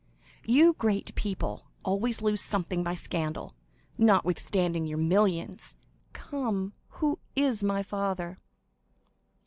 You great people always lose something by scandal, notwithstanding your millions. Come, who is my father?"